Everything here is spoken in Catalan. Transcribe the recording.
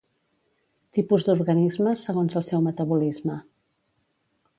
Tipus d'organismes segons el seu metabolisme.